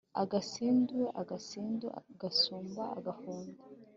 agasindu, agasindu gasumba agafundi